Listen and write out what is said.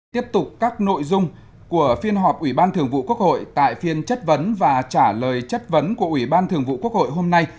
tiếp tục các nội dung của phiên họp ủy ban thường vụ quốc hội tại phiên chất vấn và trả lời chất vấn của ủy ban thường vụ quốc hội hôm nay